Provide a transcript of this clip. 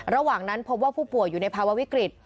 ระหว่างนั้นพบว่าผู้ป่วยอยู่ในภาวะวิกฤต